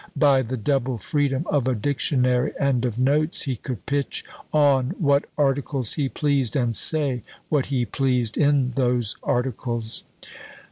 By the double freedom of a dictionary and of notes, he could pitch on what articles he pleased, and say what he pleased in those articles."